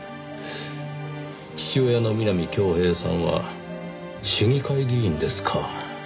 父親の南郷平さんは市議会議員ですか。